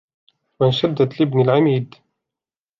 وَأَنْشَدْت لِابْنِ الْعَمِيدِ